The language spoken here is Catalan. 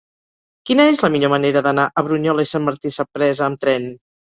Quina és la millor manera d'anar a Brunyola i Sant Martí Sapresa amb tren?